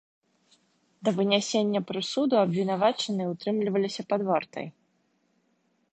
Да вынясення прысуду абвінавачаныя ўтрымліваліся пад вартай.